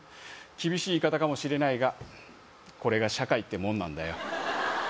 厳しい言い方かもしれないがこれが社会ってもんなんだよ